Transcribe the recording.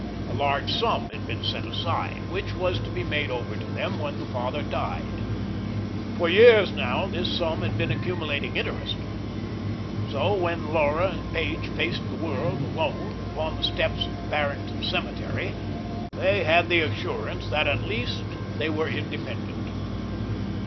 A large sum had been set aside, which was to be made over to them when the father died. For years now this sum had been accumulating interest. So that when Laura and Page faced the world, alone, upon the steps of the Barrington cemetery, they had the assurance that, at least, they were independent.